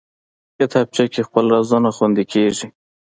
کتابچه کې خپل رازونه خوندي کېږي